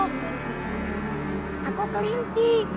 itu aku kelinci